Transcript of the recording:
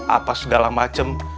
apa segala macem